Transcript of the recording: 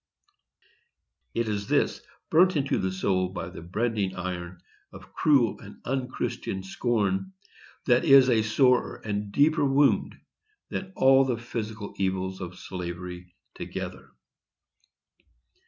It is this, burnt into the soul by the branding iron of cruel and unchristian scorn, that is a sorer and deeper wound than all the physical evils of slavery together.